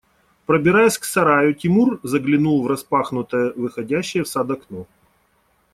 Пробираясь к сараю, Тимур заглянул в распахнутое, выходящее в сад окно.